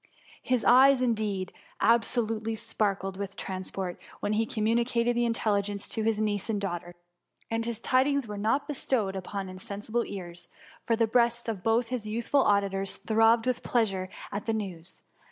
His eyes, indeed, absolutely sparkled with transport, when he communicated the intelligence to his niece and daughter; and his tidings were not bestowed upon insensible ears, for the breasts of both his youthful auditors throbbed with pleasure at the news.